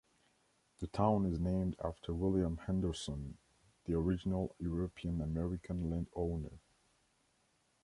The town is named after William Henderson, the original European-American land owner.